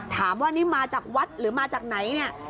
ถามว่านี่มาจากวัดหรือมาจากไหนเนี่ย